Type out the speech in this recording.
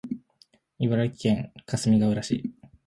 茨城県かすみがうら市